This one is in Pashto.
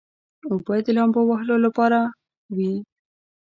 اوبه د لامبو وهلو لپاره وي.